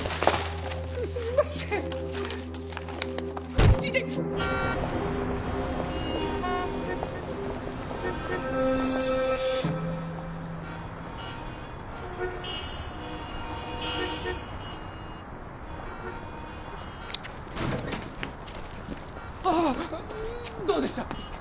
すみませんイテッああどうでした？